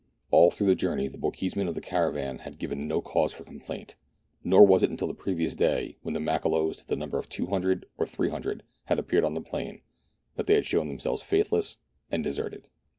All through the journey the Bochjes men of the caravan had given no cause for complaint, nor was it until the previous day, when the Makololos to the number of 200 or 300 had appeared on the plain, that they had shown themselves faithless, and deserted.